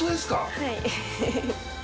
はい。